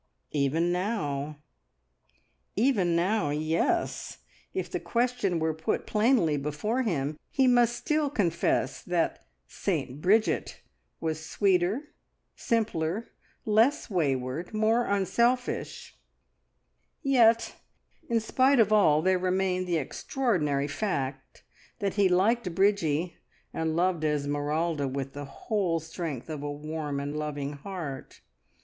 Even now even now, yes! if the question were put plainly before him, he must still confess that "Saint Bridget" was sweeter, simpler, less wayward, more unselfish; yet in spite of all there remained the extraordinary fact that he liked Bridgie and loved Esmeralda with the whole strength of a warm and loving heart!